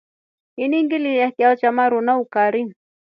Ini ngililya chao cha maru na ukari.